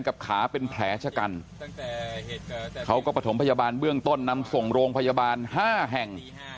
กับขาเป็นแผลชะกันเขาก็ประถมพยาบาลเบื้องต้นนำส่งโรงพยาบาลห้าแห่ง